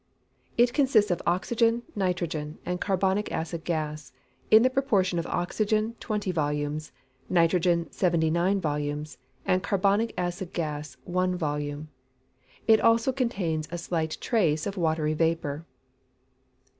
_ It consists of oxygen, nitrogen, and carbonic acid gas, in the proportions of oxygen 20 volumes, nitrogen 79 volumes, and carbonic acid gas 1 volume. It also contains a slight trace of watery vapour.